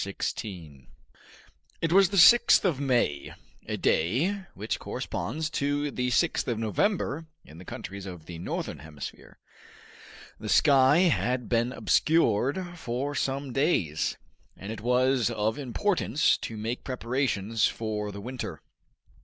Chapter 16 It was the 6th of May, a day which corresponds to the 6th of November in the countries of the Northern Hemisphere. The sky had been obscured for some days, and it was of importance to make preparations for the winter.